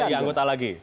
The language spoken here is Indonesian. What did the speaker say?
tidak lagi anggota lagi